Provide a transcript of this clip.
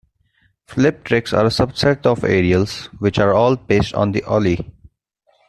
"Flip tricks" are a subset of aerials which are all based on the ollie.